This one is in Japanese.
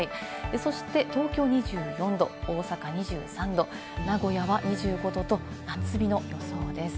そして東京は２４度、大阪２３度、名古屋は２５度と夏日の予想です。